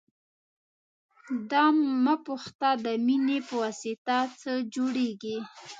دا مه پوښته د مینې پواسطه څه جوړېږي.